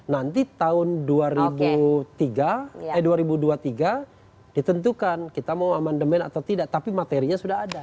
nanti tahun dua ribu dua puluh tiga ditentukan kita mau amandemen atau tidak tapi materinya sudah ada